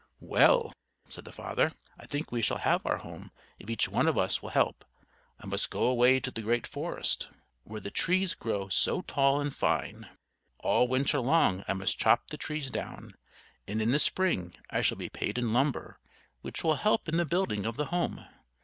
"Well," said the father, "I think we shall have our home if each one of us will help. I must go away to the great forest, where the trees grow so tall and fine. All Winter long I must chop the trees down, and in the Spring I shall be paid in lumber, which will help in the building of the home.